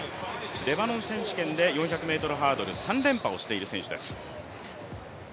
レバノン選手権で４００ｍハードル３連覇をしている選手です。